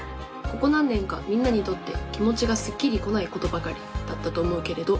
「ここ何年かみんなにとってきもちがすっきりこないことばかりだったと思うけれど」。